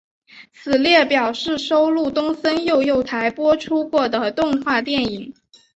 此列表示收录东森幼幼台播出过的动画电影。